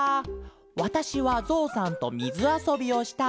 わたしはゾウさんとみずあそびをしたいです」。